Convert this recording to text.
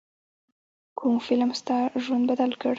کوم فلم ستا ژوند بدل کړ.